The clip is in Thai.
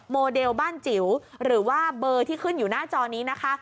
โมเดลบ้านจิ๋วหรือว่าเบอร์ที่ขึ้นอยู่หน้าจอนี้นะคะ